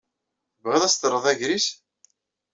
Tebɣiḍ ad as-terreḍ agris?